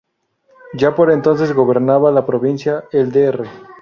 Ya por entonces gobernaba la provincia el Dr.